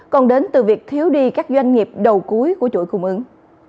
còn đến từ việc thiếu đi các doanh nghiệp đầu cuối của chuỗi cung ứng